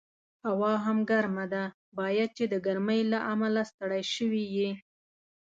هوا هم ګرمه ده، باید چې د ګرمۍ له امله ستړی شوي یې.